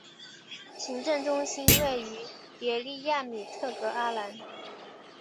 行政中心位于别利亚米特格阿兰。